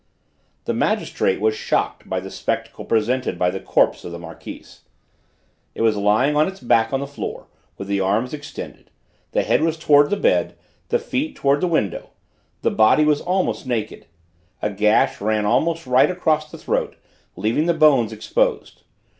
The magistrate was shocked by the spectacle presented by the corpse of the Marquise. It was lying on its back on the floor, with the arms extended; the head was towards the bed, the feet towards the window. The body was almost naked. A gash ran almost right across the throat, leaving the bones exposed.